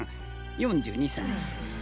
４２歳。